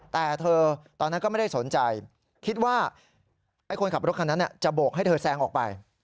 แต่เธอตอนนั้นก็ไม่ได้สนใจคิดว่าไอ้คนขับรถคันนั้นจะโบกให้เธอแซงออกไป